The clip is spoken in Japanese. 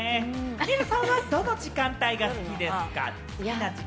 水卜さんはどの時間帯が好きですか？